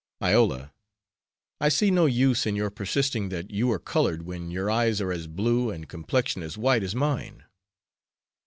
"Iola, I see no use in your persisting that you are colored when your eyes are as blue and complexion as white as mine."